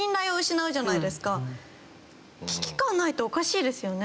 危機感ないとおかしいですよね。